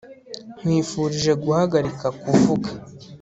nkwifurije guhagarika kuvuga